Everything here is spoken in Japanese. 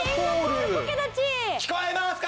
聞こえますか？